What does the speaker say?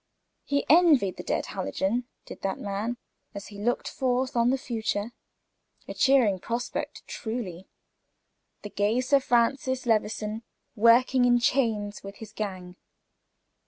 He envied the dead Hallijohn, did that man, as he looked forth on the future. A cheering prospect truly! The gay Sir Francis Levison working in chains with his gang!